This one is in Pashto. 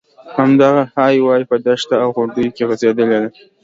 همدغه های وې په دښته او غونډیو کې غځېدلې ده.